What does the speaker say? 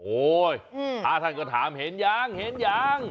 โอ้ยถ้าท่านก็ถามเห็นยังเห็นยัง